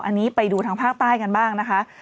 อันนี้ไปดูทางภาคใต้กันบ้างนะคะ